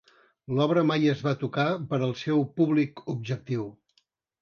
L'obra mai es va tocar per al seu públic objectiu.